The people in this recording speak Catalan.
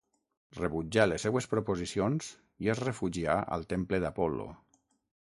Rebutjà les seues proposicions i es refugià al temple d'Apol·lo